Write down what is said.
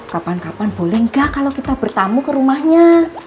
kapan kapan boleh nggak kalau kita bertamu ke rumahnya